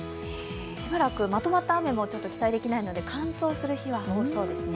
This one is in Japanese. しばらくまとまった雨も期待できないので、乾燥する日は多そうですね。